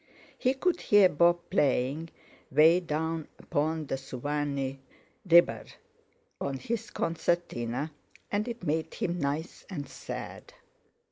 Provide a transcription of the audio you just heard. He could hear Bob playing: "Way down upon de Suwannee ribber" on his concertina, and it made him nice and sad.